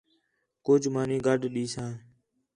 کُج مانی گڈھ دیساں